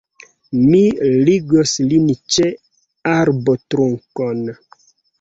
Mi ligos lin ĉe arbotrunkon.